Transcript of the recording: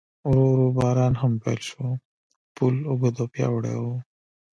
ورو ورو باران هم پیل شو، پل اوږد او پیاوړی و.